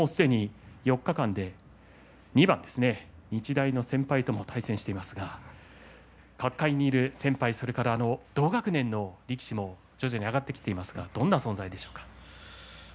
４日間で２番、日大の先輩とも対戦していますが角界にいる先輩同学年の力士も徐々に上がってきていますがどんな存在でしょうか？